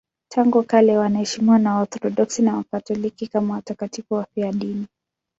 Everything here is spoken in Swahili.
Tangu kale wanaheshimiwa na Waorthodoksi na Wakatoliki kama watakatifu wafiadini.